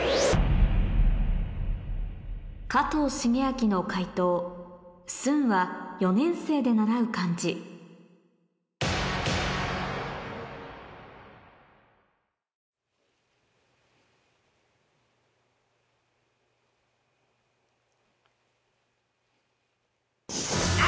加藤シゲアキの解答「寸は４年生で習う漢字」あ！